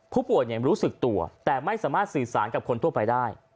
ผู้ป่วยรู้สึกตัวแต่ไม่สามารถสื่อสารกับคนทั่วไปได้